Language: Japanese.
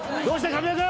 神尾君。